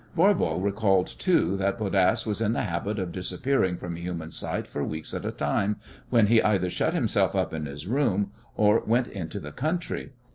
Voirbo recalled, too, that Bodasse was in the habit of disappearing from human sight for weeks at a time, when he either shut himself up in his room or went into the country.